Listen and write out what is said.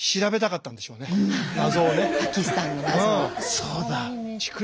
そうだ。